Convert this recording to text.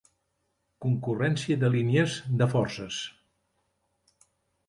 Concurrència de línies, de forces.